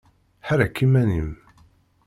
Ḥerrek iman-im!